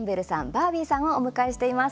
バービーさんをお迎えしています。